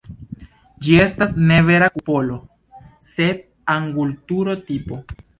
Ĝi estas ne vera kupolo, sed angulturo-tipo.